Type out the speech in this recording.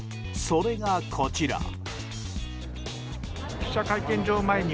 それが、こちら。